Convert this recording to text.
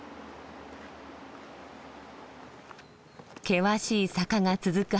険しい坂が続く